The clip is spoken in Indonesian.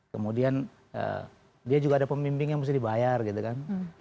kemudian dia juga ada pemimpin yang mesti dibayar gitu kan